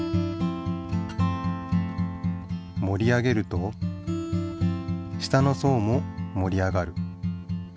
もり上げると下の層ももり上がる。